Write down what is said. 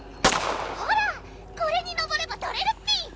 ほらこれに上ればとれるッピ！